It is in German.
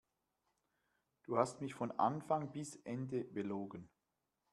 Du hast mich von Anfang bis Ende belogen.